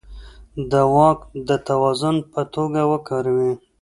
د واک د توازن په توګه وکاروي.